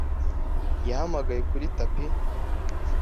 yahamagaye kuri tapi.